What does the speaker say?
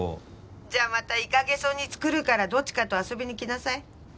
じゃあまたイカゲソ煮作るからどっちかと遊びに来なさい。